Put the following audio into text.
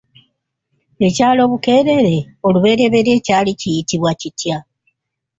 Ekyalo Bukeerere olubereberye kyali kiyitibwa kitya?